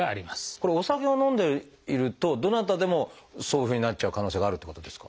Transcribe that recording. これお酒を飲んでいるとどなたでもそういうふうになっちゃう可能性があるっていうことですか？